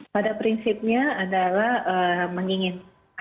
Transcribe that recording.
pada prinsipnya adalah menginginkan